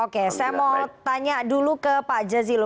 oke saya mau tanya dulu ke pak jazilul